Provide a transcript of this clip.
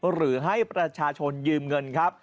หรือให้ประชาชนยืมเงินครับ